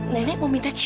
nenek mau minta cium